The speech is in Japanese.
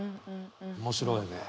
面白いね。